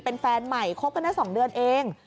เป็นแฟนใหม่คบกันได้๒เดือนเอง